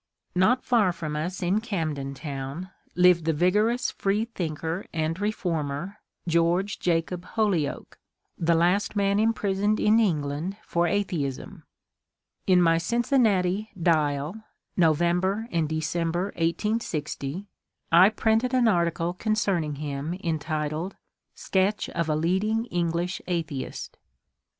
Not far from us in Camden Town lived the vigorous free thinker and reformer, George Jacob Holyoake, the last man imprisoned in England for atheism. In my Cincinnati "Dial " (November and December, 1860) I printed an ai*ticle ENGLISH NEIGHBOURS 43 concerning him entitled ^* Sketch of a Leading English Athe ist."